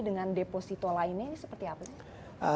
dengan deposito lainnya ini seperti apa sih